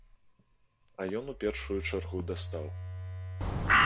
А ён у першую чаргу дастаў.